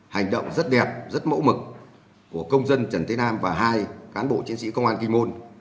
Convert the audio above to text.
hành động rất đẹp rất mẫu mực của công dân trần thế nam và hai cán bộ chiến sĩ công an kinh môn